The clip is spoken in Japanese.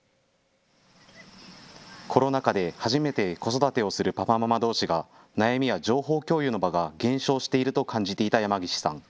コロナ禍で初めて子育てをするパパママどうしが、悩みや情報共有の場が減少していると感じていた山岸さん。